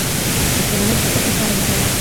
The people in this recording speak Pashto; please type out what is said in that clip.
د ټولنې په ګټه کار وکړئ.